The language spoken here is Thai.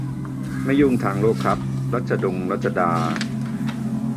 ไม่ยุ่งทางโลกครับ รัชดงรัชดา